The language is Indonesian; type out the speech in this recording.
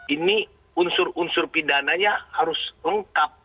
ini unsur unsur pidananya harus lengkap